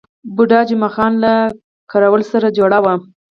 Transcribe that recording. بوډا جمعه خان له کراول سره جوړه وه.